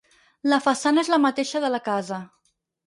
La façana és la mateixa de la casa.